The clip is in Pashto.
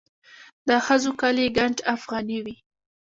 د ښځو کالي ګنډ افغاني وي.